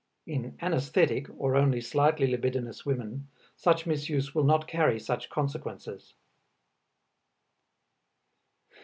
In anaesthetic or only slightly libidinous women, such misuse will not carry such consequences.